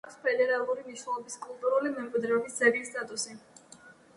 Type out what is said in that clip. აქვს ფედერალური მნიშვნელობის კულტურული მემკვიდრეობის ძეგლის სტატუსი.